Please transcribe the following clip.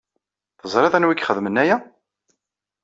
Teẓriḍ anwa i ixedmen aya?